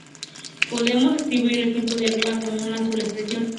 Podemos escribir el ejemplo de arriba como una sola expresión.